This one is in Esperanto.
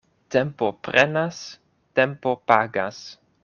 Tempo prenas, tempo pagas.